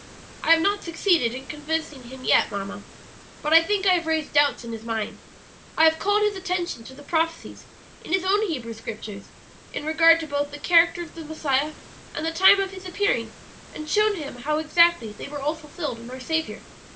"I have not succeeded in convincing him yet, mamma, but I think I have raised doubts in his mind. I have called his attention to the prophecies in his own Hebrew Scriptures in regard to both the character of the Messiah and the time of His appearing, and shown him how exactly they were all fulfilled in our Saviour.